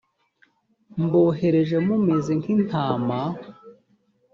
mbohereje mumeze nk intama